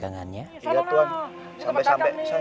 iya ya silahkan silahkan